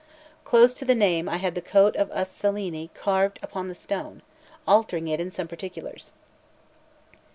Close to the name I had the coat of us Cellini carved upon the stone, altering it in some particulars.